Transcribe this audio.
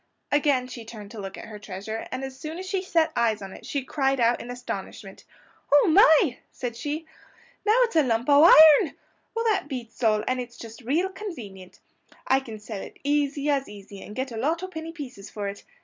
Again she turned to look at her treasure, and as soon as she set eyes on it she cried out in astonishment. "Oh, my!" said she; "now it's a lump o' iron! Well, that beats all; and it's just real convenient! I can sell it as easy as easy, and get a lot o' penny pieces for it.